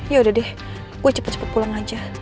yaudah deh gue cepet dua pulang aja